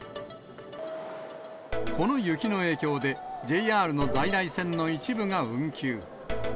この雪の影響で、ＪＲの在来線の一部が運休。